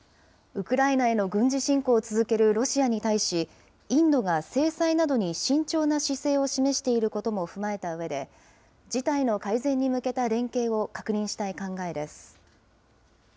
ウクライナへの軍事侵攻を続けるロシアに対し、インドが制裁などに慎重な姿勢を示していることも踏まえたうえで、事態の改善に向けた連携を確認したい考えです。